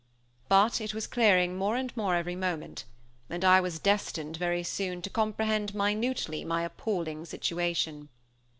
But it was clearing more and more every moment: and I was destined, very soon, to comprehend minutely my appalling situation.